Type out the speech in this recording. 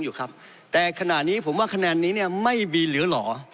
อยู่ครับแต่ขณะนี้ผมว่าคะแนนนี้เนี่ยไม่มีเหลือหรอ